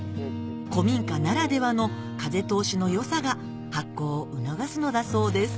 古民家ならではの風通しの良さが発酵を促すのだそうです